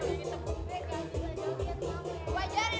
ini buat jari